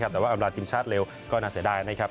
แต่ว่าอำลาทีมชาติเร็วก็น่าเสียดายนะครับ